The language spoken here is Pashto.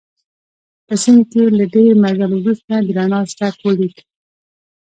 په سیند کې له ډېر مزل وروسته د رڼا څرک ولګېد.